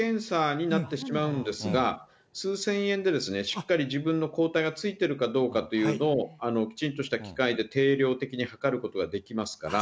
これまだ自費検査になってしまうんですが、数千円でしっかり自分の抗体がついているかどうかというのを、きちんとした機械で定量的に測ることができますから。